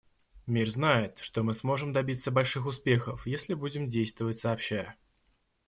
Мир знает, что мы сможем добиться больших успехов, если будем действовать сообща.